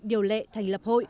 điều lệ thành lập hội